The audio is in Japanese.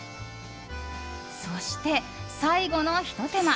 そして最後のひと手間。